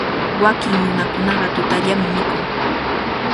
Wakin nunakunaqa tutallami mikun.